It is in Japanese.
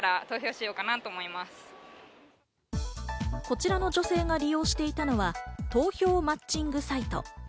こちらの女性が利用していたのは、投票マッチングサイト。